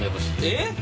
えっ！